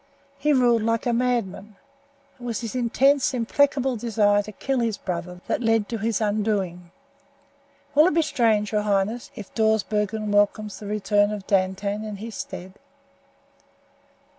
He ruled like a madman. It was his intense, implacable desire to kill his brother that led to his undoing. Will it be strange, your highness, if Dawsbergen welcomes the return of Dantan in his stead?"